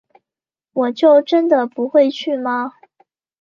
我就真的不会去吗